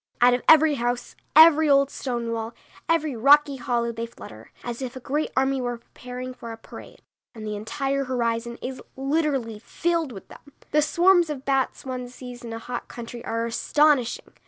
Out of every house, every old stone wall, every rocky hollow they flutter, as if a great army were preparing for a parade, and the entire horizon is literally filled with them. The swarms of bats one sees in a hot country are astonishing.